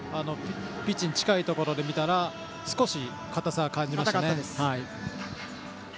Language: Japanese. ピッチに近いところで見たら少し硬さを感じました。